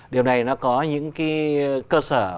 điều này nó có những cái cơ sở